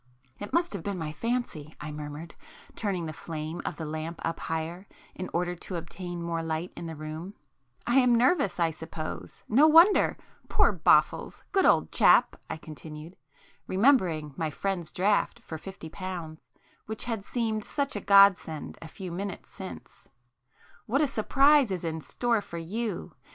"It must have been my fancy;" I murmured, turning the flame of the lamp up higher in order to obtain more light in the room—"I am nervous I suppose,—no wonder! Poor Boffles!—good old chap!" I continued, remembering my friend's draft for fifty pounds, which had seemed such a godsend a few minutes since—"What a surprise is in store for [p 14] you!